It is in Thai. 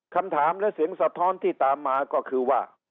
คำถามและเสียงสะท้อนที่ตามมาก็คือว่า